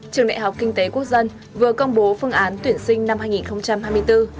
trường đại học kinh tế quốc dân vừa công bố phương án tuyển sinh năm hai nghìn hai mươi bốn